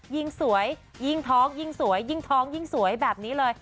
ยิ่งสวยยิ่งท้องยิ่งสวยยิ่งท้องยิ่งสวยแบบนี้เลย